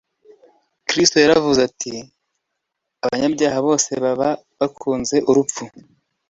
Kristo yaravuze ati : "Abanyanga bose baba bakunze urupfu.'